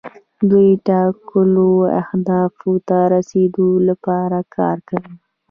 دوی ټاکلو اهدافو ته د رسیدو لپاره کار کوي.